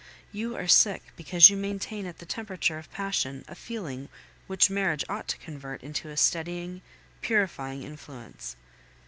You are sick because you maintain at the temperature of passion a feeling which marriage ought to convert into a steadying, purifying influence.